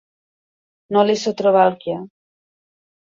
No li sé trobar el què.